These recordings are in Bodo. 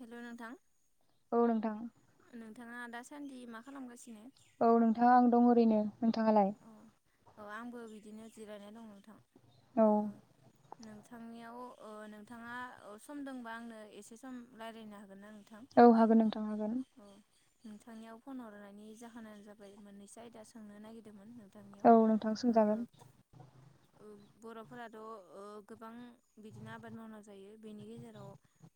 हेल' नोंथां। औ नोथां नोंथाङा दासान्दि मा खालमगासिनो? औ नोंथाङा आं दं ओरैनो। नोंथाङालाय? औ औ आंबो बिदिनो जिरायनाय दं नोंथां औ ओ नोंथांनियाव ओ नोंथाङा ओ सम दंबा आंनो एसे सम रायज्लायनो हागोन ना नों औ हागोन नोंथां हागोन। नोंथांनियाव फन हरनायनि जाहोनानो जाबाय मोननैसो आयदा सोंनो नागिरद दोंमोन। गामियाव औ नोंथां ओ सोंजागोन ओब बर'फोराथ' ओ गोबां बिदिनो आबाद मावना जायो बेनि गेजेराव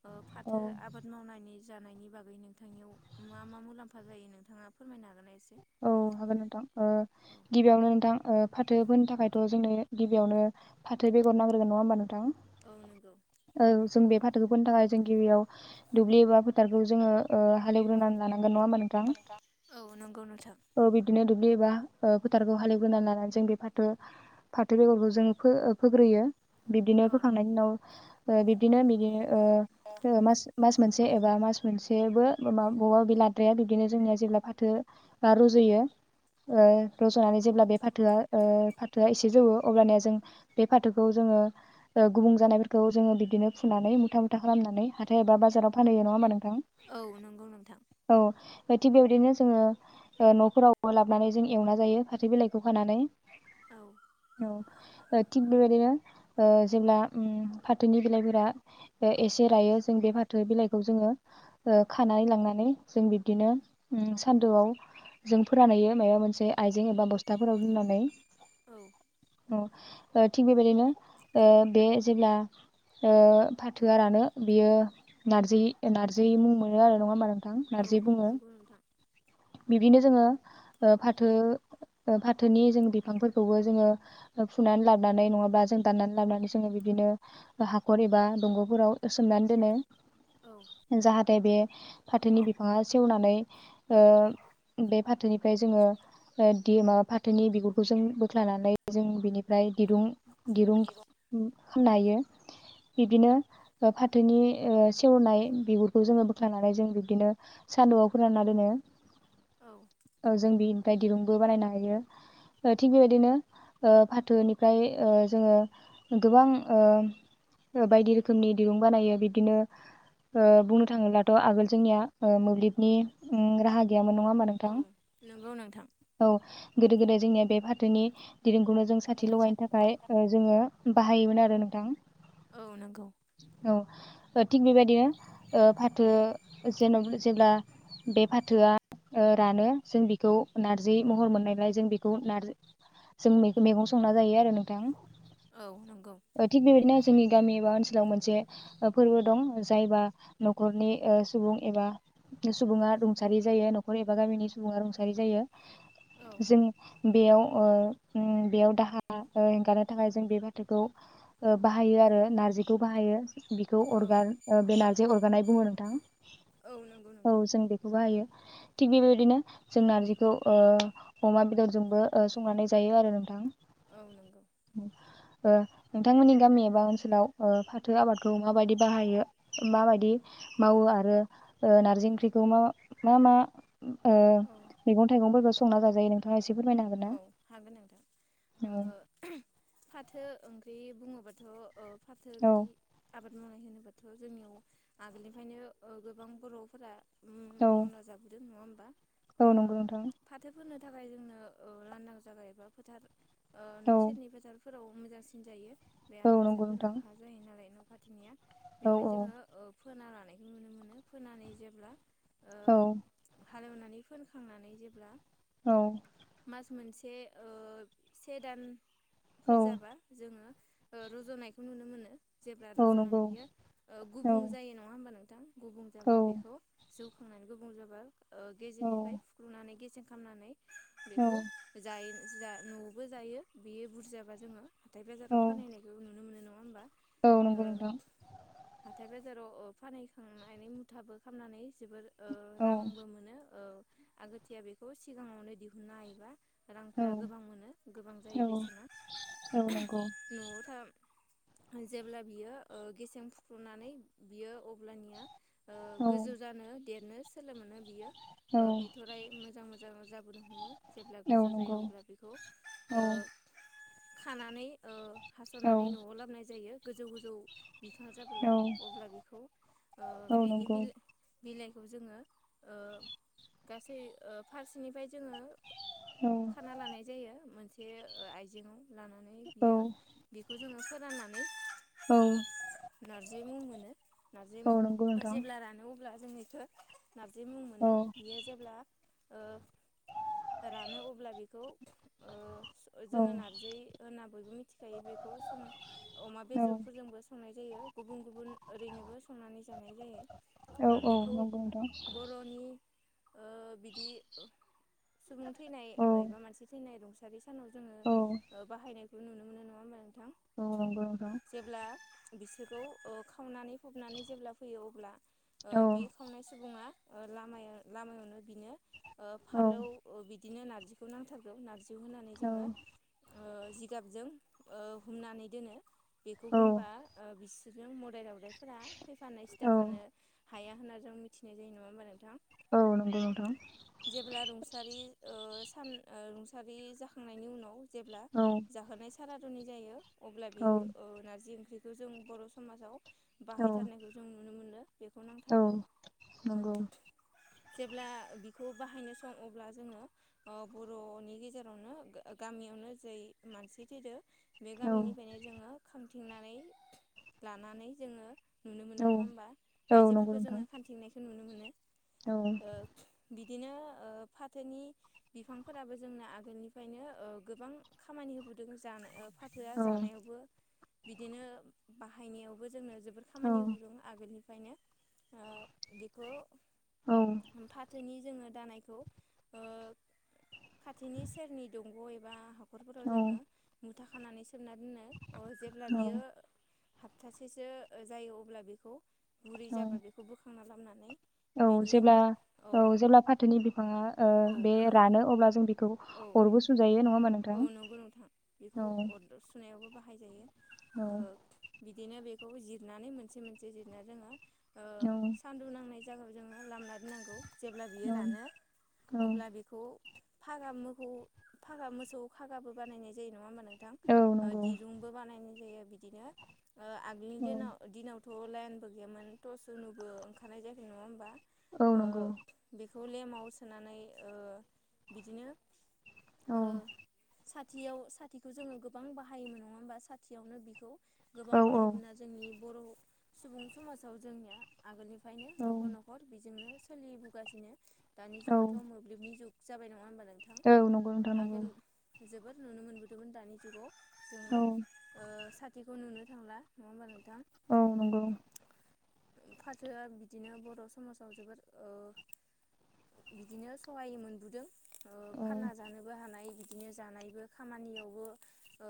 ओ औ फाथो आबाद मावनायनि जानायनि बागै नोंथांनियाव मा मा मुलाम्फा जायो नोंथाङा फोरमायनो हागोना एसे? औ हागोन नोंथां। ओ औ गिबियावनो नोंथां फाथोफोनो थाखायथ' जोंनो गिबियावनो फाथो बेगर नांग्रोगोन नङा होमबा नोंथां? औ नंगौ औ जों बे फा थोखौ फोनो थाखाय जों गिबियाव दुब्लि एबा फोथारखौ जोङो ओ हालेवग्रोनानै लानां गोन नङा होमबा नोंथां? औ नंगौ नोंथां ओ बिब्दिनो दु ब्लिबा फोथारखौ हालेवग्रोनानै लानानै जों बे फाथो फाथो बेगरखौ जों फो फोग्रोयो। बिब्दिनो औ फोखांनायनि उनाव ओ बिबदिनो [unintelligible] ओहो मास मास मोनसे एबा मास मोनसेबो बबेबा बे लाद्राया बिब्दिनो जोंनिया जेब्ला फाथो बा रज'यो ओ रज'नानै जेब्ला बे ओ फाथोआ फाथोआ एसे जौओ अब्लानिया जों बे फाथोखौ जोङो गुबुं जानायफोरखौ जोङो बिदिनो फुनानै मुथा मुथा खालामनानै हाथाय एबा बाजाराव फानहैयो नङा होमबा नों थां? औ नंगौ नोंथां औ थिग बेबायदिनो जोङो ओ न'फोरावबो लाबोनानै जों एवना जायो फाथै बिलाइखौ खानानै। औ औ ओ थिग बेबायदिनो ओ जेब्ला ओम फाथोनि बिलाइफोरा एसे रायो जों बे फाथो बिलाइखौ जोङो ओ खानानै लांनानै जों बिब्दिनो सान्दुआव जों फोरानहैयो माइबा मोनसे आइजें एबा बस्थाफोराव दोननानै। औ अ ओ थिग बेबायदिनो ओ बे जेब्ला ओ फाथोआ रानो बियो नारजि नारजि मुं मोनो आरो नङा होमबा नों थां? औ नारजि बुङो। नंगौ नोंथां बिदिनो जोङो ओ फाथो फाथोनि जों बिफांफोरखौबो जोङो फुनानै लाबोनानै नङाबा जों दाननानै लाबोनानै जोङो बिब्दिनो हाखर एबा दंग'फोराव सोमनानै औ दोनो जाहाथे बे फाथोनि बिफाङा सेवनानै ओ बे फाथोनिफ्राय जोङो ओ दि माबा फाथोनि बिगुरखौ जों बोख्लानानै जों बिनिफ्राय दिरुं दिरुं [unintelligible] हायो बिब्दिनो फाथोनि ओ सेवनाय बिगुरखौ जोङो बोख्लांनानै जों बिब्दिनो सान्दुंआव फोरानना दोनो। औ औ जों बि निफ्राय दिरुंबो बानायनो हायो थिग बेबायदिनो ओ फाथोनिफ्राय ओ जोङो गोबां ओ बायदि रोखोमनि दिरुं बानायो बिदिनो ओ बुंनो थाङोब्लाथ' आगोल जोंनिया मोब्लिबनि ओम राहा गैयामोन। नङा होमबा नोंथां? औ नंगौ नोंथां औ गोदो गोदाय जोंनिया बे फाथोनि दिरुं खौनो जों साथि लगायनो थाखाय ओ जोङो बाहायोमोन आरो। [unintelligible] नोंथां औ नंगौ औ ओ थिग बेबायदिनो ओ फाथो जेन जेब्ला बे फाथोआ ओ रानो जों बेखौ नारजि महर मोननायलाय जों बेखौ नार जों मेगं संना जायो आरो नोंथां। औ नंगौ ओ थिग बेबायदिनो जोंनि गामि एबा ओनसोलाव मोनसे फोरबो दं जायबा न'खरनि ओ सुबुं एबा सुबुङा रुंसारि जायो न'खर एबा गामिनि सुबुङा रुंसारि जायो औ जों बेयाव ओ उम बेयाव दाहा एंगारनो थाखाय जों बे फाथोखौ बाहायो आरो नारजिखौ बाहायो बिखौ औ अरगार ओ बे नार जे अरगारनाय बुङो नोंथां। औ नंगौ नोंथां औ जों बेखौ बाहायो। थिग बेबायदिनो जों नारजिखौ ओ अमा बेदरजोंबो ओ संनानै जायो आरो नोंथां। औ नंगौ। ओ नोंथांमोननि गामि एबा ओनसोलाव ओ फाथो आबादखौ माबायदि बाहायो माबायदि मावो आरो ओ नारजि ओंख्रिखौ मा मा मा? ओ औ मैगं-थाइगंफोरखो संना जाजायो नोंथाङा एसे फोरमायनो हागोन ना? औ हागोन नोंथां औ ओ फाथो ओंख्रि बुङोबाथ' ओ फाथो औ बिदि आबाद मावनाय होनोब्लाथ' जोंनियाव आगोलनिफ्रायनो गोबां बर'फोरा उम औ मावना जाबोदों नङा होम औ नंगौ नोंथां थाखाय जोंनो ओ लांदां जागा एबा फोथार ओ न' औ सेरनि बाजार फोराव मोजांसिन जायो बे औ हासार नंगौ गोनां नोंथां हा जायो नालाय न' खाथ थिनिया औ बेवहाय जोङो ओ फोना ला नाय नुनो मोनो फोनानै जेब्ला ओ औ हालेवनानै फोनखांनानै जेब्ला औ मास मोनसे ओ से दान फोर जाबा जोङो ओ रुजनायखौ नुनो मोनो। जेब्ला औ रजना नंगौ बियो औ गुबुं जायो नङा होमबा नों थां गुबुं औ जाबा बेखौ जौ खांनानै गुबुं जाबा ओ औ गेजेरनिफ्राय फुख्ल'नानै गेजेर खामनानै बेखौ जायो। जा न'आवबो जायो बेयो बुरजाबा जोङो हाथाय बाजाराव औ फानहैनायखोबो नुनो मोनो नङा होमबा? औ नंंगौ ओ नोंथां। हाथाय बाजाराव ओ फानहैखांनानै मुथाबो खामनानै जोबोर ओ औ रांबो मोनो ओ आगोथिया बेखौ सिगाङावनो दिहुन ना हायोबा औ रांफोरा गोबां मोनो गोबां जायो औ बेसेना औ नंगौ नवाव था जेब्ला बियो ओ गेसें फुख्ल'नानै बियो अब्लानिया ओ औ गोजौ जानो देरनो सोलो मोनो बियो औ ओ बिथ'राइ मोजां मोजां जाबोदों। जेब्ला औ गोजौ जायो नंगौ अब्ला बेखौ ओ औ खानानै ओ हास'नानै औ न'आव लाबोनाय जायो। गोजौ गोजौ बिफां जाबोला औ अब्ला बिखौ ओ औ बेनि नंगौ बिल बिलाइखौ जोङो ओ गासै ओ फारसेनिफ्राय जोङो औ खाना लानाय जायो मोनसे बे ओ आइजेंङाव लानानै औ बियो बेखौ जोङो फोराननानै औ नारजि मुं मोनो नारजि औ नंगौ नोंथां जेब्ला रानो अब्ला जोंनिथो नारजि मुं औ मोनो बियो जेब्ला ओ रानो अब्ला बेखौ ओ औ जोङो नारजै होनना बयबो मिथिखायो बेखौ सं अमा औ बेजरफोरजोंबो संनाय जायो गुबुन गुबुन ओरैनोबो सं संनानै जानाय जायो औ ओ औ बेखौ नंगौ नोंथां बर'नि ओ बिदि सुबुं थैनाय औ एबा मानसि थैनाय दंस [unintelligible] सानाव औ जोङो बाहायनाय बेखौ नुनो मोनो नङा मं औ नंगौ नोंथां जेब्ला बिसोरखौ खावनानै फबनानै जेब्ला फैयो अब्ला औ बे खावनाय सुबुङा लामाया लामायावनो बिनो औ फालौ बिदिनो नारजिखौ नांथारगौ नारजि होनानै औ जोङो जिगाबजों हमनानै दोनो बेखौ औ होनबा जां [unintelligible] बदाय रावदायफोरा फैफानो औ सिथाफानो हाया होनना जों मिथिनाय जायो नङा होमबा नोंथां औ नंगौ नोंथां जेब्ला रुंसारि ओ सान ओ रुंसारि जाखांनायनि उनाव जेब्ला औ जाहोनाय सारादुनि जायो अब्ला औ बेयो ओ नारजि ओ ओंख्रि- जों बर' समाजाव औ बाहायथारनायखौ जों नुनो मोनो बेखौ औ नांथारगौ औ नंगौ जेब्ला बिखौ बाहायनो सम अब्ला जोङो ओ बर'नि गेजेरावनो गामियावनो जै मानसि थैदो। बे औ गामिनिफ्रायनो जोङो खाम- थिंनानै लानानै जोङो नुनो मोनो औ नङा होमबा औ नंगौ आइजोफोरखौ नोंथां जोङो खान्थिनायखौ नुनो मोनो [inaudible] औ ओ बिदिनो ओ फाथोनि बिफांफोराबो जोंनो आगोलनिफ्रायनो ओ गोबां खामानि होबोदों जानाय फाथोआ औ जानायावबो बिदिनो बाहायनायावबो जोंनो जोबोर औ खामानि होबोदों आगोलनि फ्रायनो ओ बिखौ औ फाथोनि जोङो दानाय खौ ओ खाथिनि सेरनि दंग' एबा औ थाखानानैसो सोबना दोनो अ जेब्ला औ बियो हप्थासेसो जायो अब्ला बेखौ गुरै औ जाबा बेखौ बो खांना लाबनानै औ जेब्ला औ जेब्ला फाथोनि ओ ओ औ बे रानो अब्ला जों बिखौ औ अरबो सुजायो नङा होमबा औ नोंथां नंगौ औ औ गायजायो [inaudible] औ बिदिनो बेखौ जिरनानै मोनसे मोनसे जिरना जोङो। ओ औ सान्दुं नांनाय जायगायाव जोङो लामा दोननांगौ। जेब्ला औ बियो रानो औ अब्ला बेखौ फागा मोखौ फागा मोसौ फागाबो बानायनाय जायो नङा ओम बा नोंथां औ ओ नंगौ दिरुंबो बानायनाय जायो। बिदिनो ओ आगोलनि दिनाव दिनाव थ' लाइनबो गैयामोन थस सुनुबो ओंखारनाय जायाखोन नङा होमबा? औ ओ नंगौ बेखौ लेमाव सोनानै ओ बिदिनो औ ओ साथियाव साथिखौ जोङो गोबां बाहायोमोन नङा होमबा साथियावनो बिखौ गोबां औ बाहायबोना औ जोंनि बर' सुबुं समाजाव जोंनिया आगोलनि ओफायनो औ न'खर न'खर बेजोंनो सोलिबोगासिनो। दानि जुगावथ' मोब्लिबनि जुग। जाबाय नङा होमबा नों औ नंगौ नोंथां नंगौ जोबोद नुनो मोनबोदोंमोन दानि जुगाव जों औ ओ बेखौ नुनो थांला नङा होमबा नों औ नंगौ। फाथोआ बिदिनो बर' समाजाव ओ जोबोर बिदिनो सहायोमोन ब दो ओ औ फानना जानोबो हानाय बिदि। बिदिनो जानायबो खामानियावबो ओ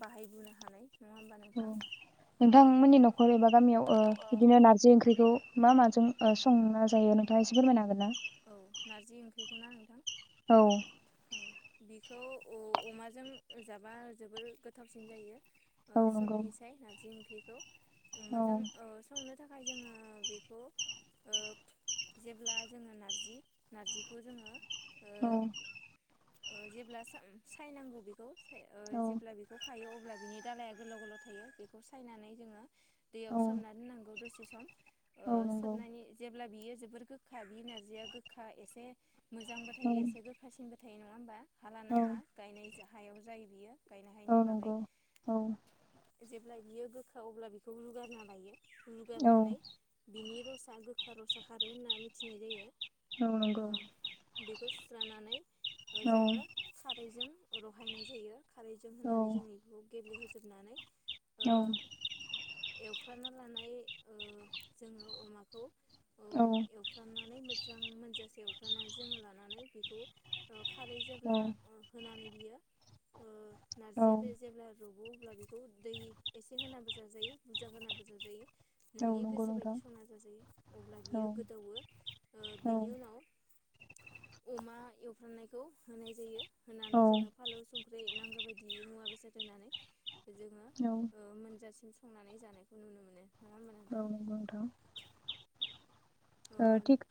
बाहायबोनो हानाय। नङा होमबा ओ नोंथां नोंथांमोननि न'ख न'खर एबा गामियाव ओ बिदिनो नारजि ओंख्रिखौ मा माजों ओ संना जायो नोंथाङा एसे फोरमायनो हागोन ना? नंगौना नोंथां? औ। बिखौ औ अमाजों जाबा ओ जोबोर गोथावसिन जायो। ओ औ नंगौ सबनिसाय नारजि ओं बेखौ। औ माजों ओ संनो बेनिथाखाय जोङो बेखौ ओ जेब्ला जोङो ना नारजि नारजिखौ जोङो। औ। ओ ओ जेब्ला साय सायनांगौ बेखौ ओ औ जेब्ला बेखौ थायो अब्ला बिनि दालाया गोलाव गोलाव थायो बेखौ सायनानै जोङो। दैयाव औ सोमना दोननांगौ दसे सम औ। ओ औ नंगौ सारनानै जेब्ला बियो जोबोर गोखा बि नारजिया। गोखा एसे। मोजांबो औ थायो एसे गोखासिनबो। थ नङा होमबा। हा लाना औ हा गायनायजों। हायाव जायो बियो। गायनो हायनि औ बागै। नंगौ औ जेब्ला बियो गोखा अब्ला बेखौ रुगारना लायो औ रुगारनानै बिनि रसा गोख खारसा खारो होनना मिथिनाय जायो औ नंगौ - सुस्रानानै ओ औ जोङो खारैजों रहायनाय जायो खारैजों होनानै जोङो औ एखौ गेब्लेहोजोबनानै औ मना लानाय जोङो अमाखौ औ एवफ्रामनानै मोजां मोनजासे एवग्रानानै जोङो लानानै बेखौ खारै जेब्ला ओ होनानै बियो ओ औ नारजिया बे जेब्ला रग- अब्ला बेखौ दै एसे होनाबो जाजायो बुरजा होनाबो जाजायो औ नोंनि नंगौ गोसो बायदि नोंथां संना जाजायो अब्ला औ बियो गोदौओ ओ औ बिनि उनाव अमा एवफ्रामनायखौ होनाय जायो औ होनानै जोङो फालौ संख्रै नांगौ बायदि -बि मुवा बेसाद होनानै जोङो औ ओ मोनजासे संनानै जानायखौ नुनो मोनो नङा होमबा नोंथां औ नंगौ नोंथां ओ थिक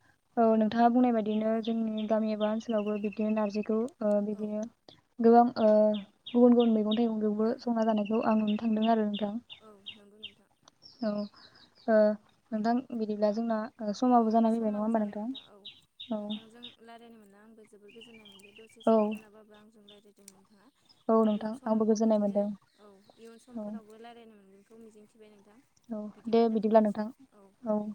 औ नोंथाङा बुंनाय बा- बिदिनो जोंनि गामि एबा ओनसोलावबो बिबदिनो नारजिखौ आ औ बिदिनो गोबां ओ गुबुन गुबुन मैगं थाइगंखौबो संना जानायखौ आं नुनो थांदों आरो दां औ नंगौ नोंथां औ ओ नोंथां बिदिब्ला जोंना ओ औ समाबो जाना फैबाय नङा समाबो होमबा जाबाय नोंथां औ औ नोंथांजों रायलायनो मोनला जोबोर गोजोननाय मोनदों। दसे औ सम होनाबाबो आंजों राय जायदों नोंथाङा। औ इयुन नोंथां आंबो समावबो गोजोननाय बिदिनो मोनदों औ इयुन औ समफोरावबो रायलायनो मोनगोन। खौ मिजिं थिबाय नों औ दे बिदिब्ला नोंथां औ। दे